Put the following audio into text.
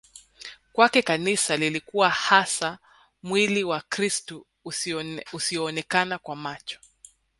Kwake Kanisa lilikuwa hasa mwli wa krist usioonekana kwa macho